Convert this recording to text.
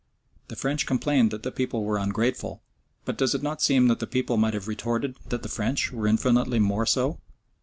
The French complained that the people were ungrateful; but does it not seem that the people might have retorted that the French were infinitely more so?